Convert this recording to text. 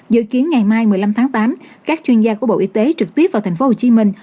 dự kiến ngày mai một mươi năm tháng tám các chuyên gia của bộ y tế trực tiếp vào thành phố hồ chí minh